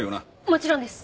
もちろんです！